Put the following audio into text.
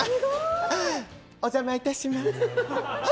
お邪魔いたします。